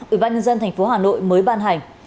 ủy ban nhân dân thành phố hà nội mới ban hành